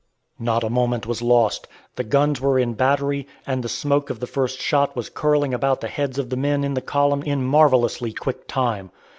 Not a moment was lost. The guns were in battery, and the smoke of the first shot was curling about the heads of the men in the column in marvelously quick time.